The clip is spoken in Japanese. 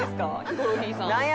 ヒコロヒーさん」